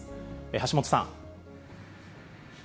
橋本さん。